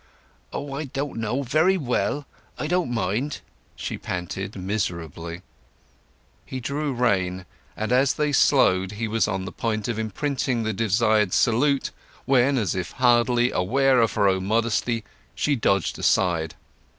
"Oh, I don't know—very well; I don't mind!" she panted miserably. He drew rein, and as they slowed he was on the point of imprinting the desired salute, when, as if hardly yet aware of her own modesty, she dodged aside.